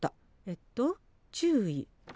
えっと注意！